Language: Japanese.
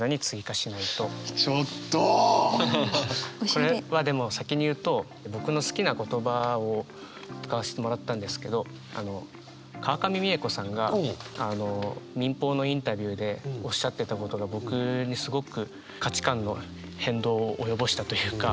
これはでも先に言うと僕の好きな言葉を使わせてもらったんですけど川上未映子さんが民放のインタビューでおっしゃってたことが僕にすごく価値観の変動を及ぼしたというか。